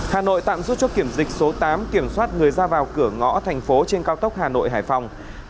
hà nội tạm rút chốt kiểm dịch số tám kiểm soát người ra vào cửa ngõ thành phố trên cao tốc hà nội hải phòng